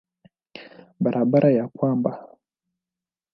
Barabara ya kwanza kwamba imeanza kuwa upya ni barabara ya Uganda.